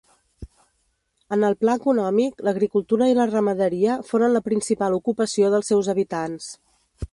En el pla econòmic, l'agricultura i la ramaderia foren la principal ocupació dels seus habitants.